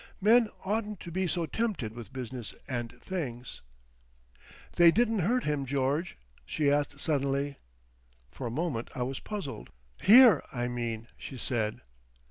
"Men oughtn't to be so tempted with business and things.... "They didn't hurt him, George?" she asked suddenly. For a moment I was puzzled. "Here, I mean," she said.